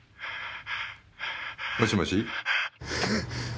もしもし？